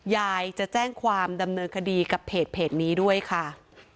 ยายจะแจ้งความดำเนินคดีกับเพจนี้ด้วยค่ะ